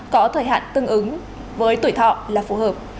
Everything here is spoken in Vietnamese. có thời hạn tương ứng với tuổi thọ là phù hợp